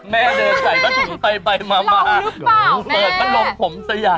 แม่เดินใส่ประถุงไปมาโอ้โฮเปิดประโลกผมสยาย